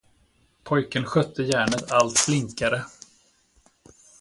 Pojken skötte järnet allt flinkare.